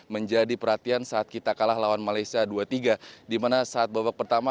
menjadi perhatian saat kita kalah lawan malaysia dua tiga di mana saat babak pertama